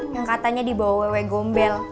yang katanya dibawa wewe gombel